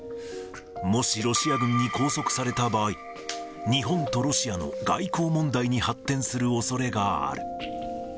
もしロシア軍に拘束された場合、日本とロシアの外交問題に発展するおそれがある。